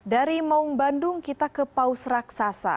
dari maung bandung kita ke paus raksasa